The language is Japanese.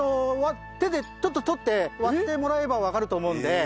手でちょっと取って割ってもらえばわかると思うので。